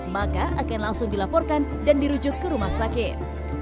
maka akan langsung dilaporkan dan dirujuk ke rumah sakit